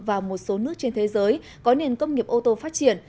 và một số nước trên thế giới có nền công nghiệp ô tô phát triển